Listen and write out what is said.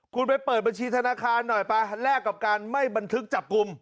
คุณไปเปิดบัญชีธนาคารหน่อยป่ะแลกกับการไม่บันทึกจับกลุ่ม